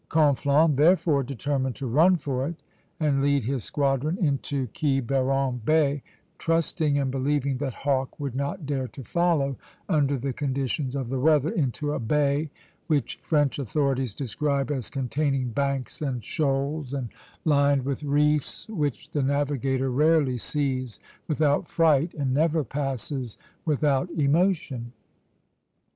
Conflans therefore determined to run for it and lead his squadron into Quiberon Bay, trusting and believing that Hawke would not dare to follow, under the conditions of the weather, into a bay which French authorities describe as containing banks and shoals, and lined with reefs which the navigator rarely sees without fright and never passes without emotion.